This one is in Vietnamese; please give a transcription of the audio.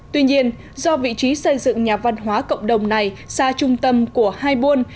tuy nhiên do vị trí xây dựng nhà văn hóa cộng đồng này xa trung tâm của hai buôn